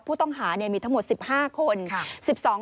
ผู้ต้องหามีทั้งหมด๑๕คน